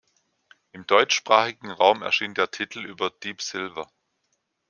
Im deutschsprachigen Raum erschien der Titel über Deep Silver.